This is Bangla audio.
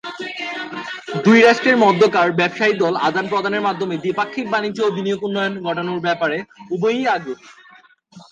দুই রাষ্ট্রের মধ্যকার ব্যবসায়ী দল আদান-প্রদানের মাধ্যমে দ্বিপাক্ষিক বাণিজ্য ও বিনিয়োগ উন্নয়ন ঘটানোর ব্যাপারে উভয়েই আগ্রহী।